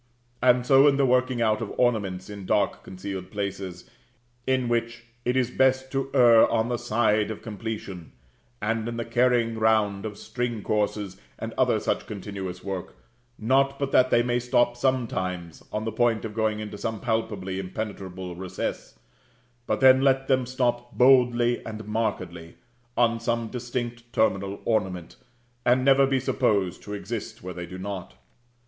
And so in the working out of ornaments in dark concealed places, in which it is best to err on the side of completion; and in the carrying round of string courses, and other such continuous work; not but that they may stop sometimes, on the point of going into some palpably impenetrable recess, but then let them stop boldly and markedly, on some distinct terminal ornament, and never be supposed to exist where they do not.